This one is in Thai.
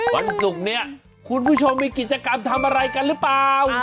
วันศุกร์เนี่ยคุณผู้ชมมีกิจกรรมทำอะไรกันหรือเปล่า